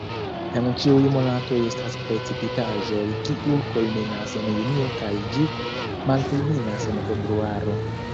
En ĉiuj monatoj estas precipitaĵoj, kiu kulminas en junio kaj ĝi malkulminas en februaro.